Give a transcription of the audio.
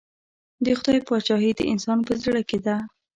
د خدای پاچهي د انسان په زړه کې ده.